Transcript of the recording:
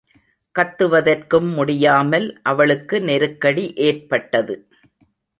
கத்துவதற்கும் முடியாமல் அவளுக்கு நெருக்கடி ஏற்பட்டது.